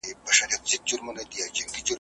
ویل ورکه یم په کورکي د رنګونو ,